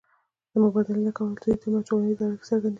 د مبادلې له کبله د دوی ترمنځ ټولنیزې اړیکې څرګندېږي